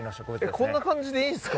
こんな感じでいいんすか？